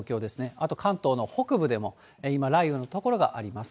あと関東の北部でも今、雷雨の所があります。